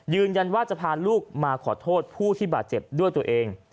ยืนยันว่าจะพาลูกมาขอโทษผู้ที่บาดเจ็บด้วยตัวเอง